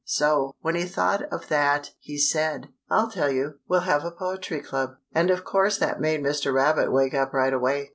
So, when he thought of that, he said: "I'll tell you. We'll have a poetry club." And of course that made Mr. Rabbit wake up right away.